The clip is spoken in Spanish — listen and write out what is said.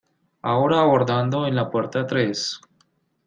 Ahora abordando en la puerta tres.